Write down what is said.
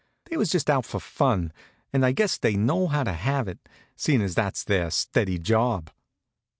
They was just out for fun, and I guess they know how to have it, seein' that's their steady job.